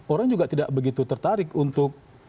orang juga tidak begitu tertarik untuk